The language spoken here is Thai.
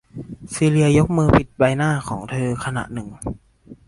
ซีเลียยกมือปิดใบหน้าของเธอขณะหนึ่ง